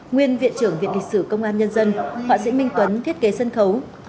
nguyên viện trưởng viện lịch sử công an nhân dân họa sĩ minh tuấn thiết kế sân khấu